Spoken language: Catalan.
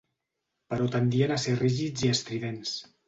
Però tendien a ser rígids i estridents.